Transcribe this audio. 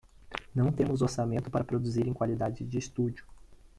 Não temos orçamento para produzir em qualidade de estúdio.